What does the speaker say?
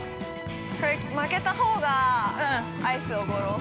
◆負けたほうがアイスおごろう。